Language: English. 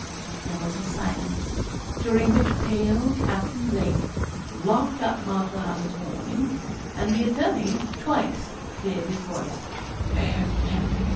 There was a silence, during which pale Captain Lake locked up Mark Wylder's warning, and the attorney twice cleared his voice.